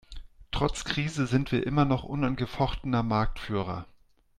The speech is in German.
Trotz Krise sind wir immer noch unangefochtener Marktführer.